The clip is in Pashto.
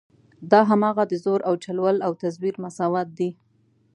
دا هماغه د زور او چل ول او تزویر مساوات دي.